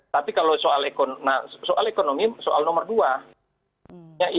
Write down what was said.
tapi kalau soal ekonomi soal nomor dua